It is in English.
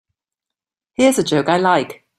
Here's a joke I like.